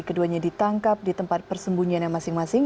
keduanya ditangkap di tempat persembunyian yang masing masing